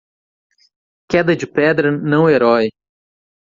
Queda de pedra não-herói